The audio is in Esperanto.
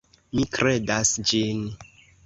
Mi kredas ĝin.